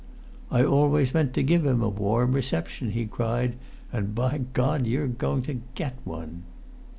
"I always meant to give him a warm reception," he cried "and by God you're going to get one!"